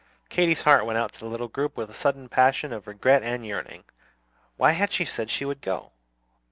Katy's heart went out to the little group with a sudden passion of regret and yearning. Why had she said she would go?